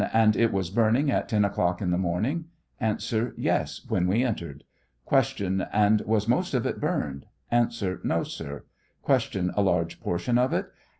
And it was burning at 10 o'clock in the morning? A. Yes ; when we entered. Q. And was most of it burned? A. No, sir. Q. A large portion of it